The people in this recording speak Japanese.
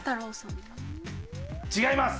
違います。